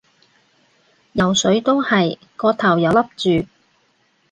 游水都係，個頭又笠住